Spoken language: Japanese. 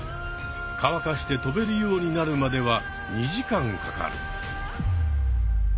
かわかしてとべるようになるまでは２時間かかる。